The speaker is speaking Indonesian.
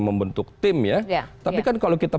membentuk tim ya tapi kan kalau kita